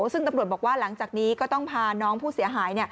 ซึ่งตำรวจบอกว่าหลังจากนี้ก็ต้องพาน้องผู้เสียหาย